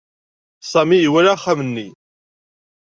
Sami iwala axxam-nni.